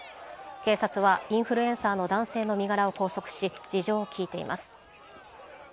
警察はインフルエンサーの男性の身柄を拘束し事情を聴いています。